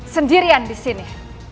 sendirian di sini